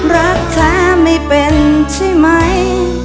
รักแท้ไม่เป็นใช่ไหม